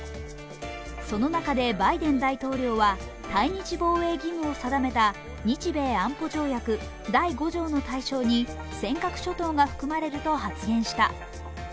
その中でバイデン大統領は対日防衛義務を定めた日米安保条約第５条の対象に尖閣諸島が含まれると発言した。